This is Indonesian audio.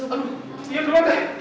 aduh dia duluan deh